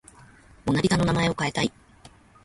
モナ・リザの名前を変えたい